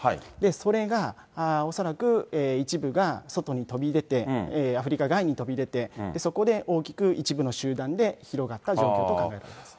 それが恐らく一部が外に飛び出て、アフリカ外に飛び出て、そこで大きく一部の集団で広がった状況となっています。